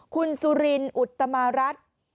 คุณสุรินอุตมารัฐ